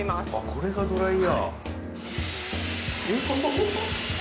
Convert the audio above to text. これがドライヤー。